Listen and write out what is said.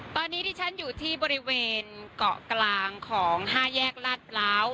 ตอนนี้ที่ฉันอยู่ที่บริเวณเกาะกลางของ๕แยกลาดพร้าว